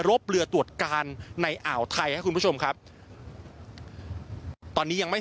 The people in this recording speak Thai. บเรือตรวจการในอ่าวไทยครับคุณผู้ชมครับตอนนี้ยังไม่